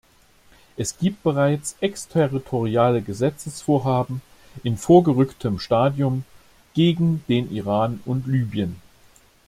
Es gibt bereits exterritoriale Gesetzesvorhaben in vorgerücktem Stadium gegen den Iran und Lybien.